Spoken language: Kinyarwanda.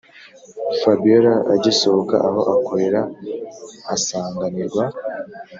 fabiora agisohoka aho akorera asanganirwa